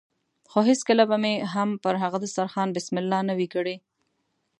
خو هېڅکله به مې هم پر هغه دسترخوان بسم الله نه وي کړې.